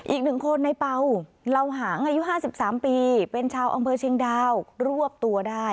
อีกหนึ่งคนในเป่าเหล่าหางอายุ๕๓ปีเป็นชาวอำเภอเชียงดาวรวบตัวได้